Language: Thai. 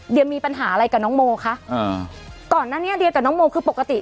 เดี๋ยวมีปัญหาอะไรกับน้องโมคะอ่าก่อนหน้านี้เดียกับน้องโมคือปกติ